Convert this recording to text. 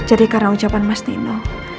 jadi karena ucapan mas tino